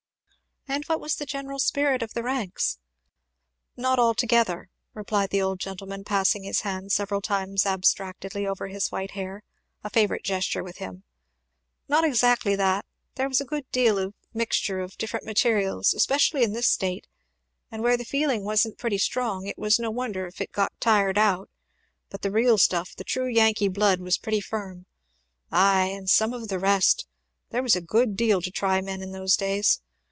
"And was that the general spirit of the ranks?" "Not altogether," replied the old gentleman, passing his hand several times abstractedly over his white hair, a favourite gesture with him, "not exactly that there was a good deal of mixture of different materials, especially in this state; and where the feeling wasn't pretty strong it was no wonder if it got tired out; but the real stuff, the true Yankee blood, was pretty firm! Ay, and some of the rest! There was a good deal to try men in those days.